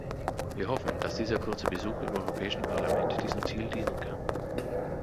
Wir hoffen, dass dieser kurze Besuch im Europäischen Parlament diesem Ziel dienen kann.